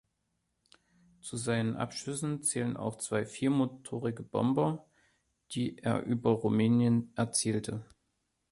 Zu seinen Abschüssen zählen auch zwei viermotorige Bomber, die er über Rumänien erzielte.